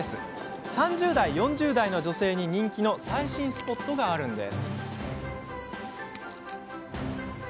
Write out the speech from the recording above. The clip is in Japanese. ３０代、４０代の女性に人気の最新スポットがあるんです。